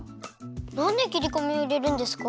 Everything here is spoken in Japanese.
なんできりこみをいれるんですか？